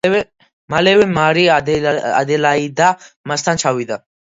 მალევე მარი ადელაიდა მასთან ჩავიდა.